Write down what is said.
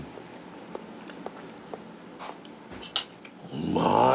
うまい！